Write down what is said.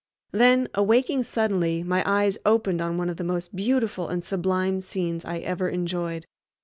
Then, awaking suddenly, my eyes opened on one of the most beautiful and sublime scenes I ever enjoyed.